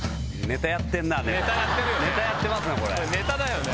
ネタやってるよね。